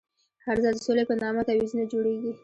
هر ځل د سولې په نامه تعویضونه جوړېږي.